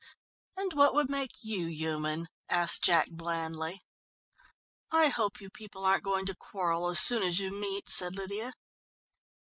"And what would make you human?" asked Jack blandly. "I hope you people aren't going to quarrel as soon as you meet," said Lydia.